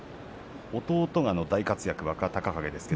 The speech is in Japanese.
弟が大活躍、若隆景です。